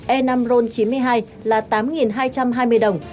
e năm ron chín mươi hai là tám hai trăm hai mươi đồng